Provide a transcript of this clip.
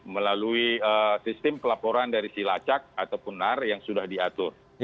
melalui sistem pelaporan dari silacak ataupun nar yang sudah diatur